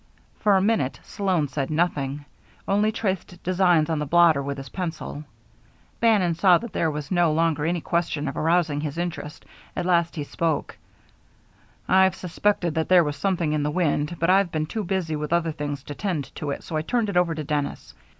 For a minute Sloan said nothing, only traced designs on the blotter with his pencil. Bannon saw that there was no longer any question of arousing his interest. At last he spoke: "I've suspected that there was something in the wind, but I've been too busy with other things to tend to it, so I turned it over to Dennis.